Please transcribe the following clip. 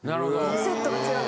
セットが違う。